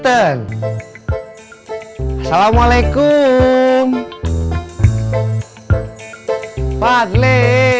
eh padli